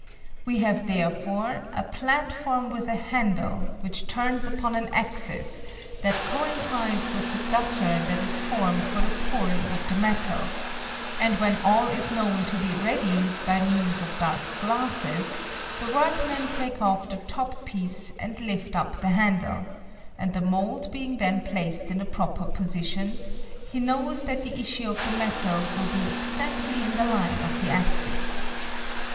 We have, therefore, a platform with a handle, which turns upon an axis, that coincides with the gutter that is formed for the pouring of the metal ; and when all is known to be ready, by means of dark glasses, the workmen take off the top piece and lift up the handle, and the mould being then placed in a proper position, he knows that the issue of the metal will be exactly in the line of the axis.